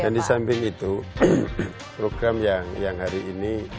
dan di samping itu program yang hari ini